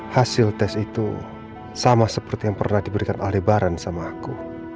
hasil tes itu sama seperti yang pernah diberikan oleh lebaran sama aku